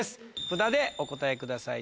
札でお答えください